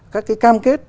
các cái cam kết